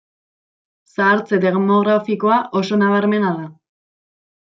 Zahartze demografikoa oso nabarmena da.